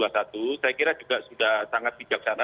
saya kira juga sudah sangat bijaksana